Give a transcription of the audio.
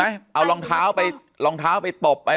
แต่คุณยายจะขอย้ายโรงเรียน